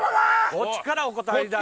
こっちからお断りだよ。